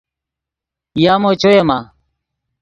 یامو چویمآ؟